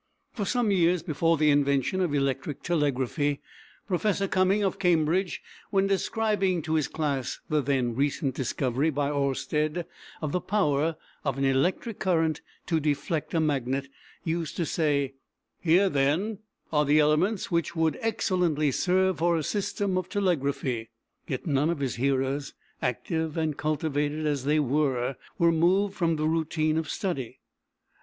For some years before the invention of electric telegraphy, Professor Cumming of Cambridge, when describing to his class the then recent discovery by Oersted of the power of an electric current to deflect a magnet, used to say, "Here, then, are the elements which would excellently serve for a system of telegraphy." Yet none of his hearers, active and cultivated as they were, were moved from the routine of study.